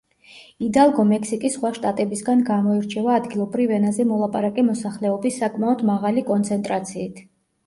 იდალგო მექსიკის სხვა შტატებისგან გამოირჩევა ადგილობრივ ენაზე მოლაპარაკე მოსახლეობის საკმაოდ მაღალი კონცენტრაციით.